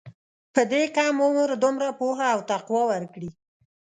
په دې کم عمر دومره پوهه او تقوی ورکړې.